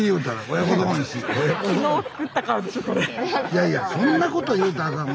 いやいやそんなこと言うたらあかん。